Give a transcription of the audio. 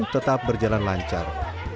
tetap berjalan lancar